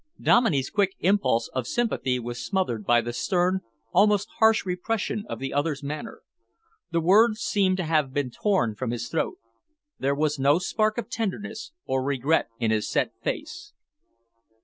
Dominey's quick impulse of sympathy was smothered by the stern, almost harsh repression of the other's manner. The words seemed to have been torn from his throat. There was no spark of tenderness or regret in his set face.